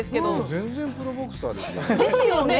全然プロボクサーですよね。